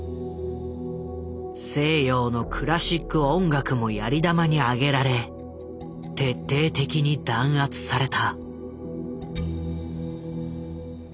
西洋のクラシック音楽もやり玉に挙げられ徹底的に弾圧された。